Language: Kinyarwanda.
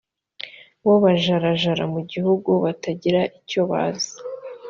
bo bajarajara mu gihugu batagira icyo bazi